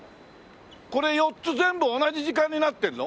これ４つ全部同じ時間になってるの？